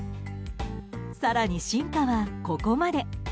更に、進化はここまで。